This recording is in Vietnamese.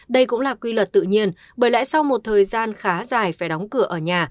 đây cũng là quy luật tự nhiên bởi lẽ sau một thời gian khá dài phải đóng cửa ở nhà